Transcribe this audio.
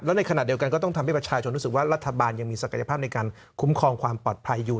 ในขณะเดียวกันก็ต้องทำให้ประชาชนรู้สึกว่ารัฐบาลยังมีศักยภาพในการคุ้มครองความปลอดภัยอยู่